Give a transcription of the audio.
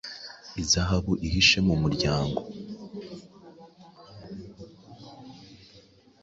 Izahabu ihishe mu muryango’.